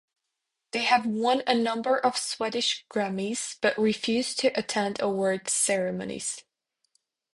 They have won a number of Swedish Grammis, but refuse to attend awards ceremonies.